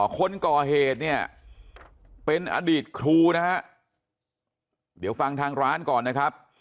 คนก่อเหตุเนี่ยเป็นอดีตครูนะฮะเดี๋ยวฟังทางร้านก่อนนะครับ